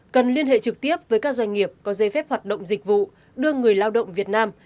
cần liên hệ trực tiếp với các doanh nghiệp có dây phép hoạt động dịch vụ đưa người lao động việt nam